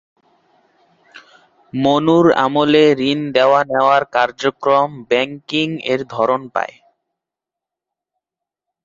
মনুর আমলে ঋণ দেওয়া-নেওয়ার কার্যক্রম ব্যাংকিং-এর ধরন পায়।